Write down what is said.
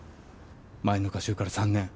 前の歌集から３年。